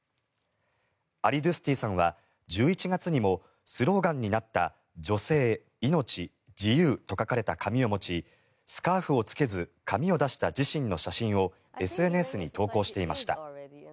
アリドゥスティさんは１１月にもスローガンになった「女性、命、自由」と書かれた紙を持ちスカーフを着けず髪を出した自身の写真をＳＮＳに投稿していました。